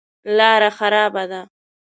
لاره خرابه ده.